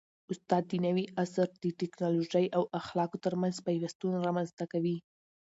استاد د نوي عصر د ټیکنالوژۍ او اخلاقو ترمنځ پیوستون رامنځته کوي.